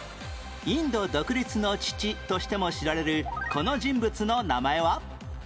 インド独立の父としても知られるこの人物の名前は？